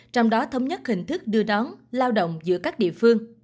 trong đó thống nhất hình thức đưa đón lao động giữa các địa phương